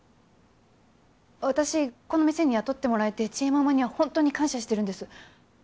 私この店に雇ってもらえてちえママにはほんとに感謝してるんです。